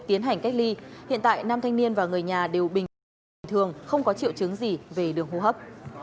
tiến hành cách ly hiện tại nam thanh niên và người nhà đều bình thường bình thường không có triệu chứng gì về đường hô hấp